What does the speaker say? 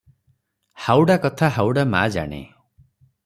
ହାଉଡ଼ା କଥା ହାଉଡ଼ା ମା ଜାଣେ ।